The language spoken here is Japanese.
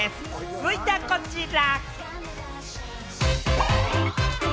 続いては、こちら。